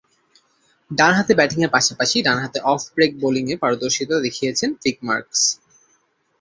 ডানহাতে ব্যাটিংয়ের পাশাপাশি ডানহাতে অফ ব্রেক বোলিংয়ে পারদর্শীতা দেখিয়েছেন ভিক মার্কস।